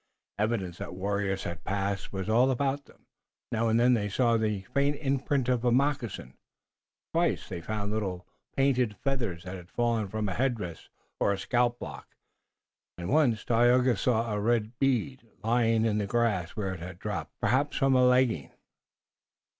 Evidence that warriors had passed was all about them. Now and then they saw the faint imprint of a moccasin. Twice they found little painted feathers that had fallen from a headdress or a scalplock, and once Tayoga saw a red bead lying in the grass where it had dropped, perhaps, from a legging.